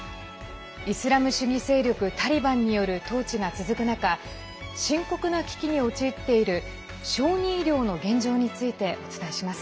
イスラム主義勢力タリバンによる統治が続く中深刻な危機に陥っている小児医療の現状についてお伝えします。